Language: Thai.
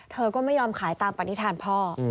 เธอก็ไม่ยอมขายตามปณิธานพ่อ